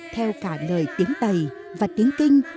theo cả lời tiếng tây và tiếng kinh